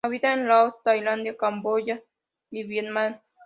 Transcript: Habita en Laos, Tailandia, Camboya y Vietnam.